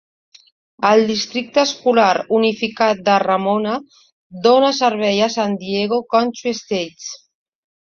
El districte escolar unificat de Ramona dona servei a San Diego Country Estates.